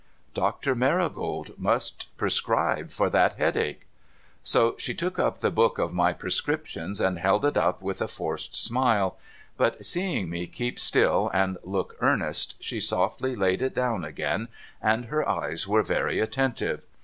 ' Doctor Marigold must prescribe for that headache.' She took up the book of my Prescriptions, and held it up with a forced smile ; but seeing me keep still and look earnest, she softly laid it down again, and her eyes were very attentive.